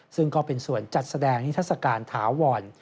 ซึ่งก็เป็นส่วนจัดแสดงนิทัศกาลถาวร